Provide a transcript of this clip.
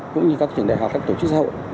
cũng như các trường đại học các tổ chức xã hội